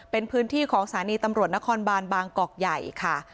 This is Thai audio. เป็นพื้นที่ของสถานีตำรวจนครบานบางกอกใหญ่ค่ะ